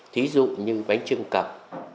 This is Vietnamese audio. thí dụ như bánh trưng cằm